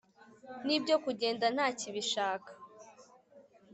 N'ibyo kugenda ntakibishaka